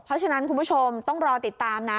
เพราะฉะนั้นคุณผู้ชมต้องรอติดตามนะ